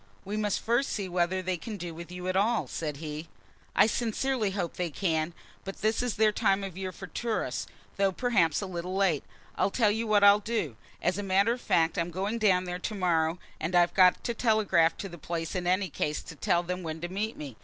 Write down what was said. "We must first see whether they can do with you at all," said he. "I sincerely hope they can; but this is their time of year for tourists, though perhaps a little late. I'll tell you what I'll do. As a matter of fact, I'm going down there to morrow, and I've got to telegraph to my place in any case to tell them when to meet me.